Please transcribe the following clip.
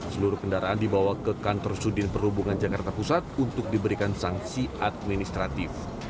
seluruh kendaraan dibawa ke kantor sudin perhubungan jakarta pusat untuk diberikan sanksi administratif